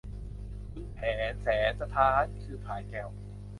ขุนแผนแสนสะท้าน คือพลายแก้ว